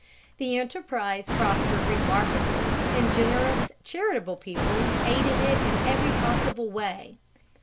The enterprise prospered remarkably, and generous and charitable people aided it in every possible way.